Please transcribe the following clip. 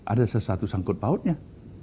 ada sesuatu sangkut pautnya